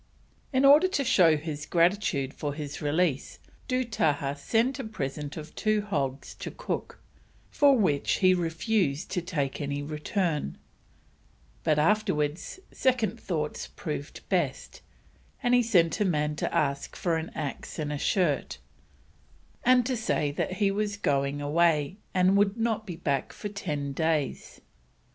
In order to show his gratitude for his release Dootahah sent a present of two hogs to Cook, for which he refused to take any return; but, afterwards, second thoughts proved best, and he sent a man to ask for an axe and a shirt, and to say he was going away, and would not be back for ten days.